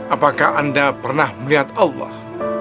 apakah anda pernah melihat allah